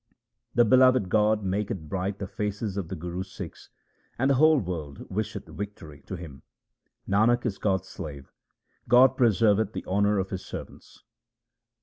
The beloved God maketh bright the faces of the Guru's Sikhs, and the whole world wisheth victory to him. Nanak is God's slave ; God preserveth the honour of His servants.